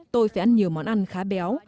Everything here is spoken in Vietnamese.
tôi phải ăn nhiều món ăn khá béo